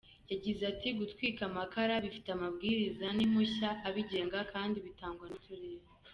Yagize ati “Gutwika amakara bifite amabwiriza n’impushya abigenga kandi bitangwa n’uturere.